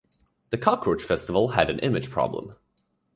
The cockroach festival had an image problem.